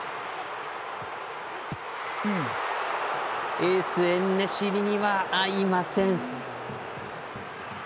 エース、エンネシリには合いません。